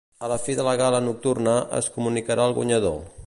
A la fi de la gala nocturna, es comunicarà el guanyador.